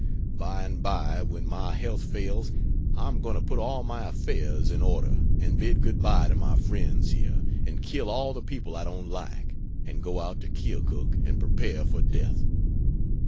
By and by, when my health fails, I am going to put all my affairs in order, and bid good bye to my friends here, and kill all the people I don't like, and go out to Keokuk and prepare for death.